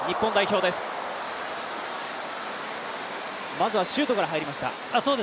まずはシュートから入りました。